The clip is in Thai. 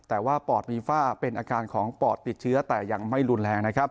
อาการของปอดปิดเชื้อแต่ยังไม่รุนแรง